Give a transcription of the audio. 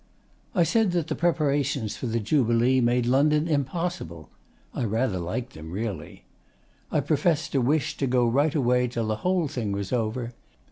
I said that the preparations for the Jubilee made London impossible. (I rather liked them, really.) I professed a wish to go right away till the whole thing was over.